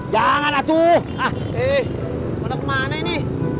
jangan aku ah eh mana ini